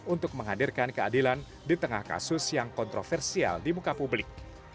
untuk menghadirkan keadilan di tengah kasus yang kontroversial di muka publik